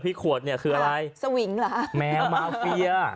พี่ขวดเนี่ยคืออะไรแมวมาเฟีย